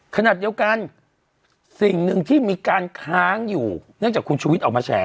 ขณะเดียวกันสิ่งหนึ่งที่มีการค้างอยู่เนื่องจากคุณชุวิตออกมาแฉ